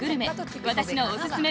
私のおすすめ